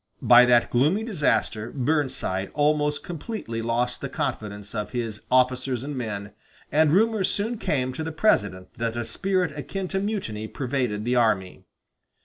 By that gloomy disaster Burnside almost completely lost the confidence of his officers and men, and rumors soon came to the President that a spirit akin to mutiny pervaded the army.